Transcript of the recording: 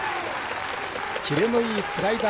キレのいいスライダー。